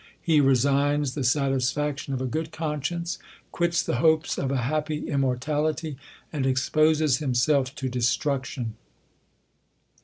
He resigns the satisfaction of a good conscience, quits the hopes of a happy immortality, and exposes himself to destruction.